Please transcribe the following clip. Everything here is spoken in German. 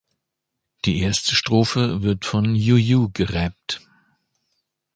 Die erste Strophe wird von Juju gerappt.